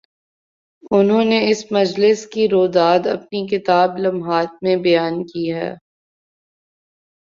انہوں نے اس مجلس کی روداد اپنی کتاب "لمحات" میں بیان کی ہے۔